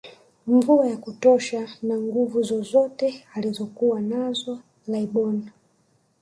Mvua ya kutosha na Nguvu zozote alizokuwa nazo laibon